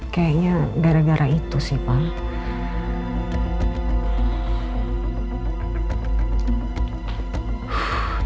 kayaknya gara gara itu sih pak